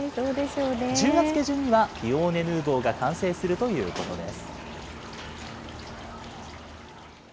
１０月下旬には、ピオーネヌーボーが完成するということです。